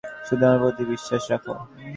শুধু আমার প্রতি বিশ্বাস রাখো।